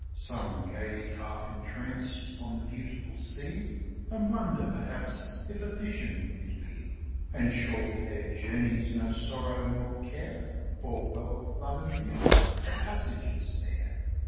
Some gaze half entranced on the beautiful sea, And wonder perhaps if a vision it be: And surely their journeys no sorrow nor care, For wealth, love, and beauty are passengers there.